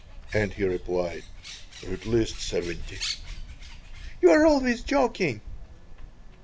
And he replied: "At least seventy." "You are always joking."